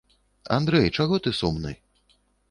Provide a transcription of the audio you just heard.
Андрэй, чаго ты сумны?